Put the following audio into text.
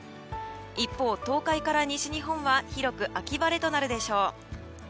一方、東海から西日本は広く秋晴れとなるでしょう。